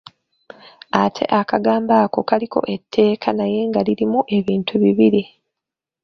Ate akagambo ako kaliko etteeka naye nga lirimu ebintu bibiri.